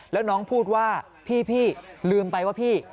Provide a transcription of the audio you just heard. แล้วน้องพูดว่าพี่ลืมไปว่าพี่